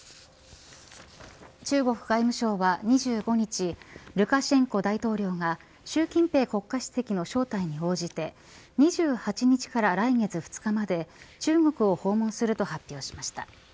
中国外務省は２５日ルカシェンコ大統領が習近平国家主席の招待に応じて２８日から来月２日まで中国を訪問すると発表しました。